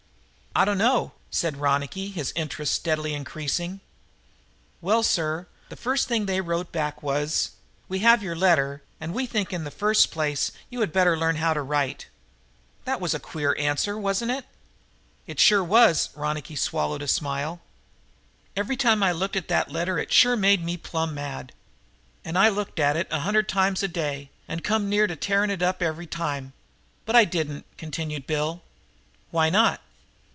"I dunno," said Ronicky, his interest steadily increasing. "Well, sir, the first thing they wrote back was: 'We have your letter and think that in the first place you had better learn how to write.' That was a queer answer, wasn't it?" "It sure was." Ronicky swallowed a smile. "Every time I looked at that letter it sure made me plumb mad. And I looked at it a hundred times a day and come near tearing it up every time. But I didn't," continued Bill. "Why not?"